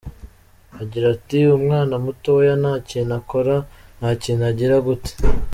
Agira ati “Umwana mutoya nta kintu akora, nta kintu agira gute.